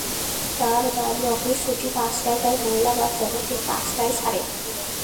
তাঁর দাবি, অফিস ছুটি পাঁচটায়, তাই মহিলা বাস যেন ঠিক পাঁচটায় ছাড়ে।